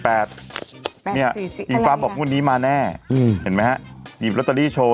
แปดแปดสี่สี่ปุ่มนี่แหละลิมล้อตเตอรี่โชว์